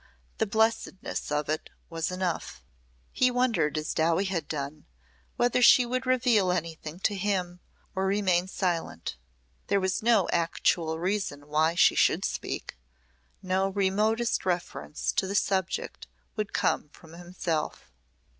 The blessedness of it was enough. He wondered as Dowie had done whether she would reveal anything to him or remain silent. There was no actual reason why she should speak. No remotest reference to the subject would come from himself.